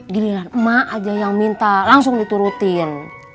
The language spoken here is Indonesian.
gini lah mak aja yang minta langsung diturutin